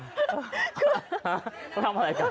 เขาทำอะไรกัน